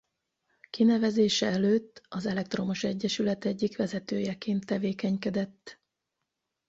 Kinevezése előtt az Elektromos egyesület egyik vezetőjeként tevékenykedett.